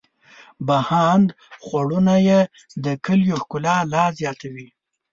بهاند خوړونه یې د کلیو ښکلا لا زیاتوي.